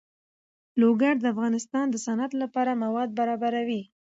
لوگر د افغانستان د صنعت لپاره مواد برابروي.